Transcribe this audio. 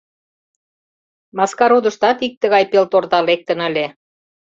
— Маскародыштат ик тыгай пелторта лектын ыле.